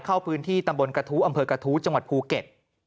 เข้าพื้นที่ตำบลกระทู้อำเภอกระทู้จังหวัดภูเก็ต